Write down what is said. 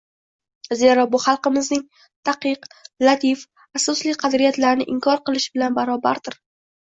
Zero bu xalqimizning daqiq, latif, asosli qadriyatlarini inkor qilish bilan barobardir.